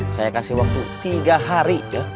saya kasih waktu tiga hari ya